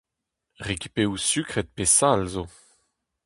Rekipeoù sukret pe sall zo.